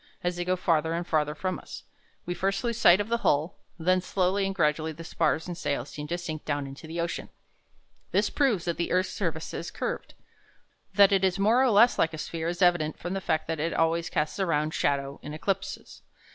As they go farther and farther from us, we first lose sight of the hull, and then slowly and gradually the spars and sails seem to sink down into the ocean. This proves that the earth's surface is curved. That it is more or less like a sphere is evident from the fact that it always casts a round shadow in eclipses.